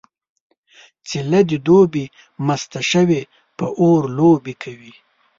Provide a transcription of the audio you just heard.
څیله د دوبي مسته شوې په اور لوبې کوي